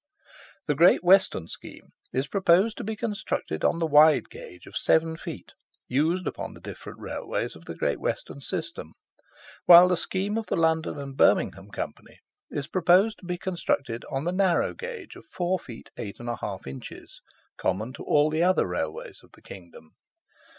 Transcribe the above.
The Great Western scheme is proposed to be constructed on the wide gauge of seven feet, used upon the different Railways of the Great Western system; while the scheme of the London and Birmingham Company is proposed to be constructed on the narrow gauge of 4 feet 8.5 inches, common to all the other Railways of the kingdom.